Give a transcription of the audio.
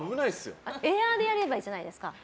エアーでやればいいじゃないですか。